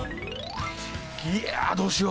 いやどうしよう？